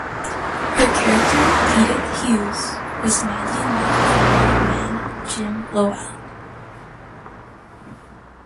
Her character, Edith Hughes, was madly in love with a married man, Jim Lowell.